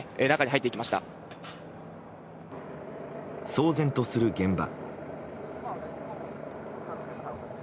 騒然とする現場。